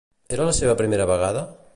Era la seva primera vegada?